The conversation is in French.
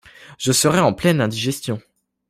je serais en pleine indigestion.